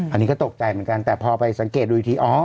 อันนี้ก็ตกใจเหมือนกันแต่พอไปสังเกตดูอีกทีอ๋อ